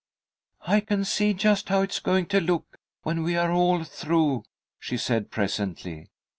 "I can see just how it is going to look when we are all through," she said, presently.